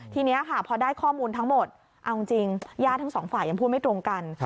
ทีนี้ค่ะพอได้ข้อมูลทั้งหมดเอาจริงญาติทั้งสองฝ่ายยังพูดไม่ตรงกัน